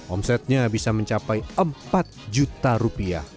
omsetnya bisa mencapai empat juta rupiah